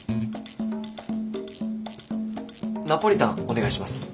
ナポリタンお願いします。